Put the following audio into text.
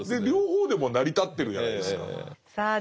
両方でも成り立ってるじゃないですか。